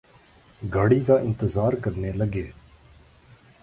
گاڑی کا انتظار کرنے لگے